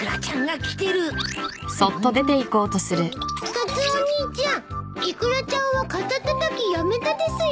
カツオお兄ちゃんイクラちゃんは肩たたきやめたですよ。